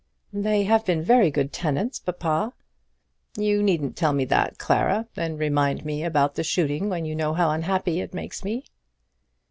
"They have been very good tenants, papa." "You needn't tell me that, Clara, and remind me about the shooting when you know how unhappy it makes me."